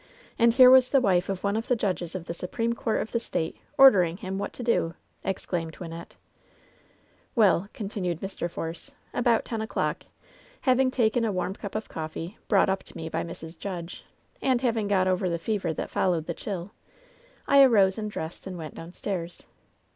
And here was the wife of one of the judges of the supreme court of the State, ordering him what to do!" exclaimed Wynnette. "Well," continued Mr. Force, "about ten o'clock, hav ing taken a warm cup of coffee, brought up to me by Mrs. Judge, and having got over the fever that followed the chill, I arose and dressed and went downstaira.